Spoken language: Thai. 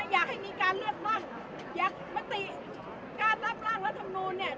อยากให้มีการเลือกตั้งอยากมติการรับร่างรัฐมนูลเนี่ย